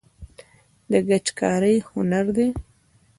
د ګچ کاري هنر دی